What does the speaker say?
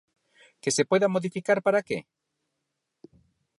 ¿Que se poida modificar para que?